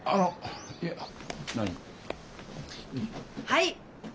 はい。